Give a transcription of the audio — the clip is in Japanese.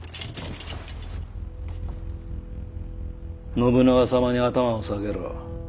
信長様に頭を下げろ。